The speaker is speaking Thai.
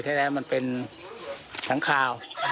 แท้แรกมันเป็นทั้งคาว